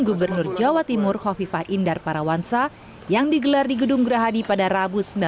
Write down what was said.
gubernur jawa timur khofifah indar parawansa yang digelar di gedung gerahadi pada rabu